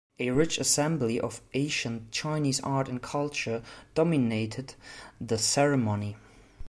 A rich assembly of ancient Chinese art and culture dominated the ceremony.